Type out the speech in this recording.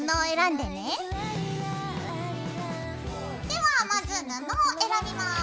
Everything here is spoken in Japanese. ではまず布を選びます。